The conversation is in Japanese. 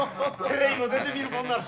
テレビも出てみるもんだな。